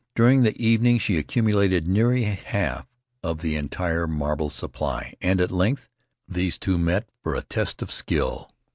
During the evening she accumulated nearly half of the entire marble supply, and at length these two met for a test of skill.